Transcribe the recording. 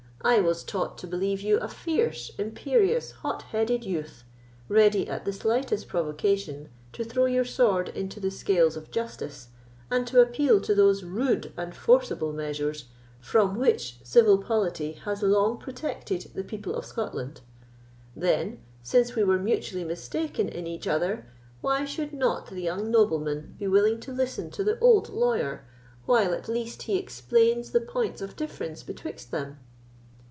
I was taught to believe you a fierce, imperious, hot headed youth, ready, at the slightest provocation, to throw your sword into the scales of justice, and to appeal to those rude and forcible measures from which civil polity has long protected the people of Scotland. Then, since we were mutually mistaken in each other, why should not the young nobleman be willing to listen to the old lawyer, while, at least, he explains the points of difference betwixt them?"